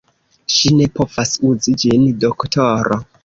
Ŝi ne povas uzi ĝin, doktoro.